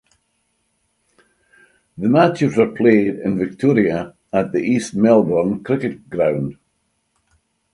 The matches were played in Victoria at the East Melbourne Cricket Ground.